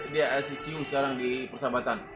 di asisium sekarang di persahabatan